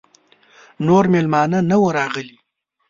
نور مېلمانه نه وه راغلي.